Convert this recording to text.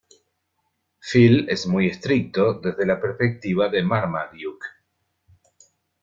Phil es muy estricto, desde la perspectiva de Marmaduke.